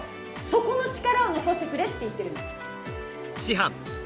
そこの力を残してくれって言ってるの。